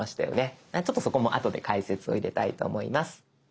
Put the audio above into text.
ちょっとそこもあとで解説を入れたいと思います。